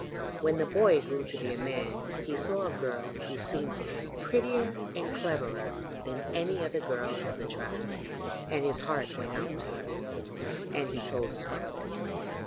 When the boy grew to be a man, he saw a girl who seemed to him prettier and cleverer than any other girl of the tribe, and his heart went out to her, and he told his father.